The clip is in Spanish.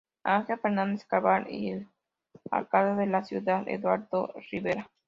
Ángel Fernández Carvajal y el alcalde de la ciudad Eduardo Rivera.